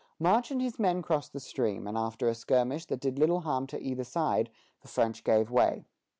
March and his men crossed the stream, and after a skirmish that did little harm to either side, the French gave way.